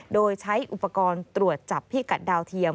โดยใช้อุปกรณ์ตรวจจับพิกัดดาวเทียม